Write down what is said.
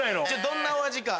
どんなお味か。